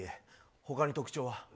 他に特徴は。